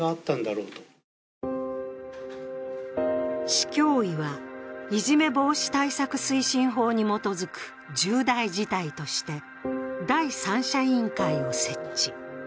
市教委は、いじめ防止対策推進法に基づく重大事態として第三者委員会を設置。